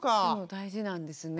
大事なんですね。